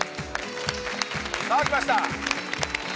さあ来ました。